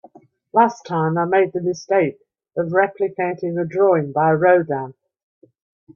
Last time, I made the mistake of replicating a drawing by Rodin.